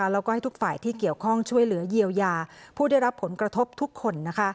แล้วก็ให้ทุกฝ่ายที่เกี่ยวข้องช่วยเหลือเยียวยาผู้ได้รับผลกระทบทุกคน